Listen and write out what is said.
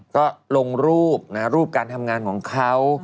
ก็ลงรูปรูปการทำงานของเขา